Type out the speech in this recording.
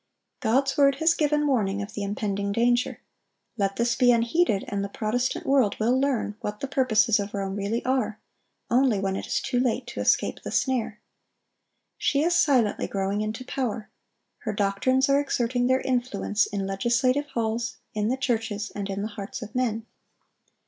God's word has given warning of the impending danger; let this be unheeded, and the Protestant world will learn what the purposes of Rome really are, only when it is too late to escape the snare. She is silently growing into power. Her doctrines are exerting their influence in legislative halls, in the churches, and in the hearts of men.